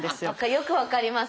よく分かります。